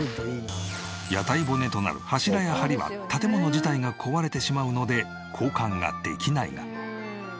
屋台骨となる柱や梁は建物自体が壊れてしまうので交換ができないが。